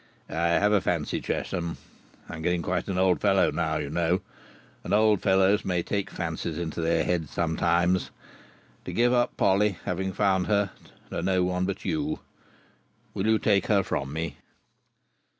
"I have a fancy, Tresham (I am getting quite an old fellow now, you know, and old fellows may take fancies into their heads sometimes), to give up Polly, having found her, to no one but you. Will you take her from me?"